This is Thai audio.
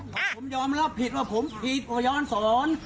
ผมยอมรับผิดว่าผมผิดก็ย้อนศร